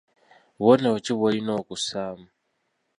Bubonero ki bw'olina okussaamu?